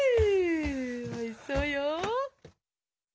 おいしそうよ。